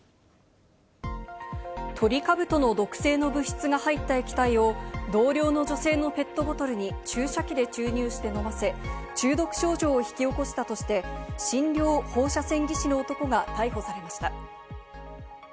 トリカブトの毒性の物質が入った液体を同僚の女性のペットボトルに注射器で注入して飲ませ、中毒症状を引き起こしたとして診療放射線技師の男が逮捕されました。